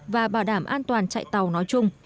và bảo đảm an toàn chạy tàu nói chung